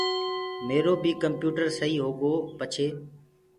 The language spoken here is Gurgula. ميرو بي ڪمپِيوٽر سئيٚ هوگو پڇي